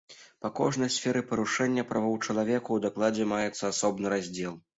Па кожнай сферы парушэння правоў чалавека ў дакладзе маецца асобны раздзел.